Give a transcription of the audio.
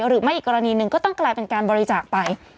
อีกกรณีหนึ่งก็ต้องกลายเป็นการบริจาคไป